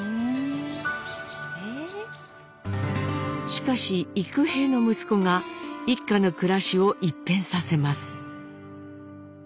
しかし幾平の息子が一家の暮らしを一変させます。